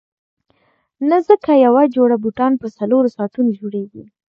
نه ځکه یوه جوړه بوټان په څلورو ساعتونو جوړیږي.